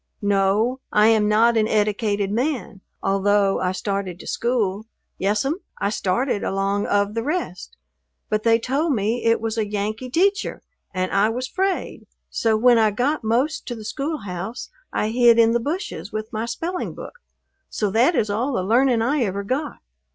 "No, I am not an eddicated man, although I started to school. Yes'm, I started along of the rest, but they told me it was a Yankee teacher and I was 'fraid, so when I got most to the schoolhouse I hid in the bushes with my spelling book, so that is all the learning I ever got.